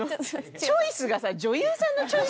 チョイスがさ。